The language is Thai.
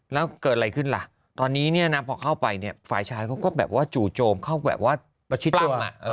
แล้วเกิดอะไรขึ้นล่ะตอนนี้พอเข้าไปฝ่ายชายก็จูบโจมเข้าแบบว่าปล่ำ